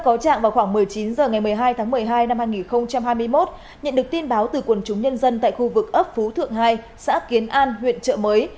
theo cáo trạng vào khoảng một mươi chín h ngày một mươi hai tháng một mươi hai năm hai nghìn hai mươi một nhận được tin báo từ quần chúng nhân dân tại khu vực ấp phú thượng hai xã kiến an huyện trợ mới